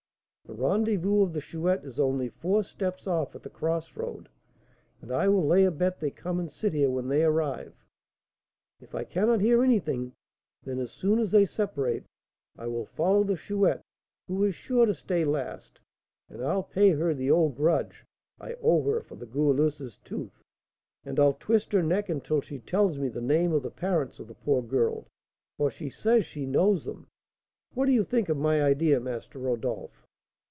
The rendezvous of the Chouette is only four steps off at the cross road, and I will lay a bet they come and sit here when they arrive. If I cannot hear anything, then, as soon as they separate, I will follow the Chouette, who is sure to stay last, and I'll pay her the old grudge I owe her for the Goualeuse's tooth; and I'll twist her neck until she tells me the name of the parents of the poor girl, for she says she knows them. What do you think of my idea, Master Rodolph?"